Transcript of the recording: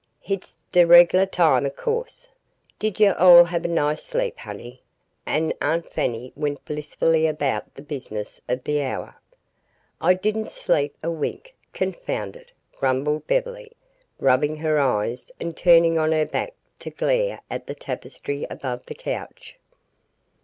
Hit's d' reg'lah time, o' co'se. Did yo' all have a nice sleep, honey?" and Aunt Fanny went blissfully about the business of the hour. "I didn't sleep a wink, confound it," grumbled Beverly, rubbing her eyes and turning on her back to glare up at the tapestry above the couch.